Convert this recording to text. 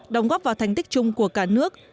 đóng góp vào thành tích chung của cả nước